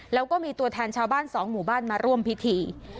แล้วก็มีตัวแทนชาวบ้านสองหมู่บ้านมาร่วมพิธี